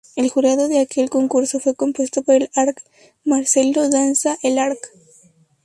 El jurado de aquel concurso fue compuesto por el Arq Marcelo Danza, el Arq.